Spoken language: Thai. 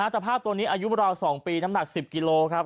สภาพตัวนี้อายุราว๒ปีน้ำหนัก๑๐กิโลครับ